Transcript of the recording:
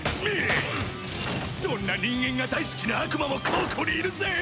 そんな人間が大好きな悪魔もここにいるぜ！